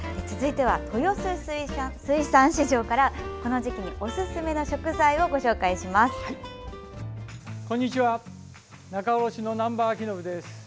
続いては、豊洲水産市場からこの時期におすすめの食材をご紹介します。